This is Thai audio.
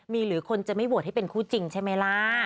มีหรือคนจะไม่โหวตให้เป็นคู่จริงใช่ไหมล่ะ